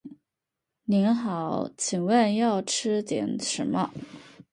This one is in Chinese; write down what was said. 您好，请问要吃点什么？